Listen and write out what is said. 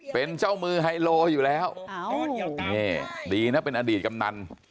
เป็นเจ้ามือไฮโลอยู่แล้วนี่ดีนะเป็นอดีตกำนัน